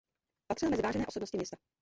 Patřil mezi vážené osobnosti města.